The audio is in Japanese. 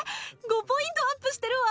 ５ポイントアップしてるわ！